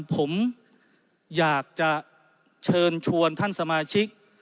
ผมอยากจะเชิญชวนท่านสมาชิก